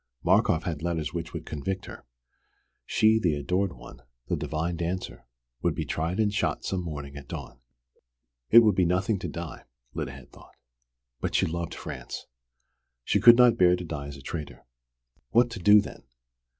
Markoff had letters which would convict her. She the adored one, the divine dancer would be tried and shot some morning at dawn. It would be nothing to die, Lyda had thought. But she loved France. She could not bear to die as a traitor! What to do then?